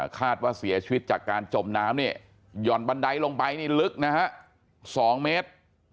คาดว่าเสียชีวิตจากการจมน้ำเนี่ยหย่อนบันไดลงไปนี่ลึกนะฮะ๒เมตร